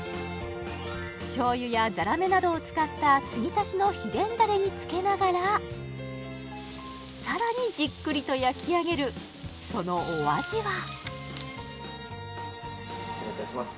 しょうゆやざらめなどを使った継ぎ足しの秘伝ダレにつけながらさらにじっくりと焼き上げるそのお味は失礼いたします